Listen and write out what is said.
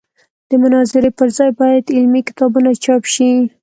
د مناظرې پر ځای باید علمي کتابونه چاپ شي.